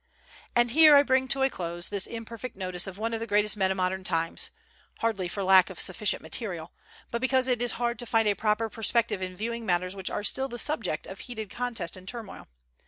And here I bring to a close this imperfect notice of one of the greatest men of modern times, hardly for lack of sufficient material, but because it is hard to find a proper perspective in viewing matters which are still the subject of heated contest and turmoil.